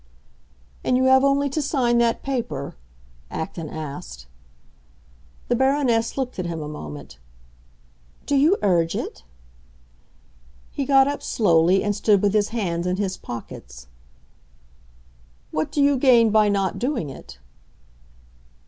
"And you have only to sign that paper?" Acton asked. The Baroness looked at him a moment. "Do you urge it?" He got up slowly, and stood with his hands in his pockets. "What do you gain by not doing it?"